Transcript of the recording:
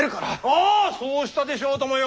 ああそうしたでしょうともよ！